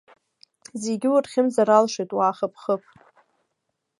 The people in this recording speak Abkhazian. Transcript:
Зегьы урхьымӡар алшоит, уаахыԥхыԥ!